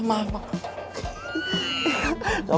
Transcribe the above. sama gak apa apa neng beb